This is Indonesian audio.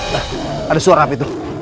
nah ada suara api